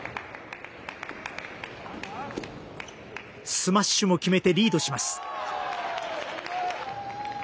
スマッシュも決めてリードします。